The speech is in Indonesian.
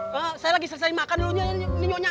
saya lagi selesai makan dulunya nyonya